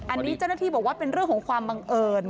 อันนี้เจ้าหน้าที่บอกว่าเป็นเรื่องของความบังเอิญ